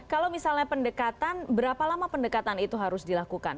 kalau misalnya pendekatan berapa lama pendekatan itu harus dilakukan